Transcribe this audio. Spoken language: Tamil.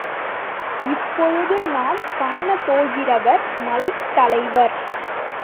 இப்பொழுது நாம் காணப்போகிறவர் மலைத்தலைவர்.